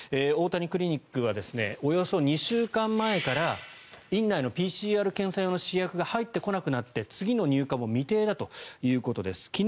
大谷クリニックはおよそ２週間前から院内のＰＣＲ検査用の試薬が入ってこなくなって次の入荷も未定だということです。